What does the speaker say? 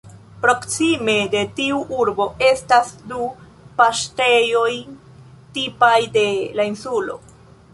Proksime de tiu urbo estas du paŝtejoj tipaj de la insulo.